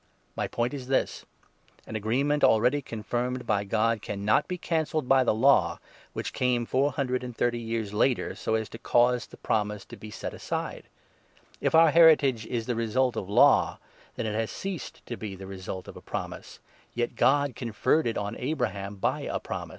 My point is this :— An agreement already confirmed by God 17 cannot be cancelled by the Law, which came four hundred and thirty years later, so as to cause the promise to be set aside. If our heritage is the result of Law, then it has ceased 18 to be the result of a promise. Yet God conferred it on Abraham by a promise. • Gen. 15. 6. » Gen. u. 3 ; 18. 18. » Deut. a*. a6. " Hab. a.